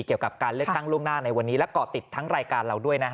เกี่ยวกับการเลือกตั้งล่วงหน้าในวันนี้และเกาะติดทั้งรายการเราด้วยนะฮะ